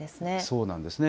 そうなんですね。